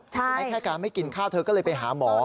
ใช้แค่การไม่กินข้าวเธอก็เลยไปหาหมอ